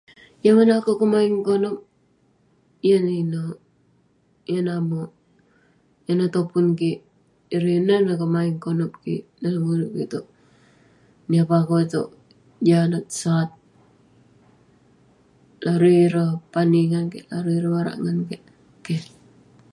Yah manouk akouk kemaeng konep, yan neh inek, yan neh amek, yan neh topun kik, ireh ineh neh kemaeng konep kik dalem urip kik itouk..niah peh akouk itouk juk anag sat, larui ireh pani ngan kik, larui barak ngan kik..keh..